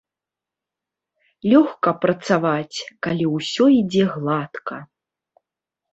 Лёгка працаваць, калі ўсё ідзе гладка.